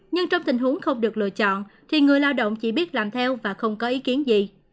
nhưng trong tình huống không được lựa chọn thì người lao động chỉ biết làm theo và không có ý kiến gì